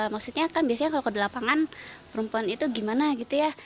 maksudnya kan biasanya kalau di lapangan perempuan itu gimana gitu ya